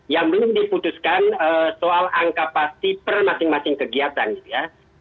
yang belum diputuskan soal angka pasti per masing masing kegiatan gitu ya